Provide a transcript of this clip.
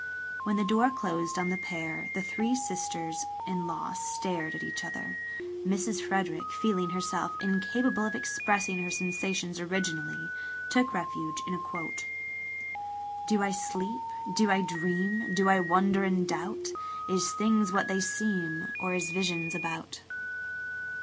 When the door closed on the pair the three sisters in laws stared at each other. Mrs. Frederick, feeling herself incapable of expressing her sensations originally, took refuge in a quotation: " 'Do I sleep, do I dream, do I wonder and doubt? Is things what they seem, or is visions about?'